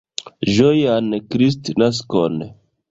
Ĝojan Kristnaskon!